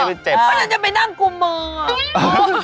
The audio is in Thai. เออมันจะไปนั่งกลุ่มเมอร์อ่ะไม่ใช่